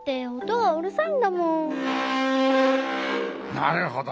なるほど。